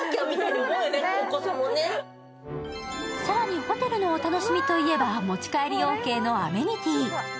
更にホテルのお楽しみといえば持ち帰りオーケーのアメニティー。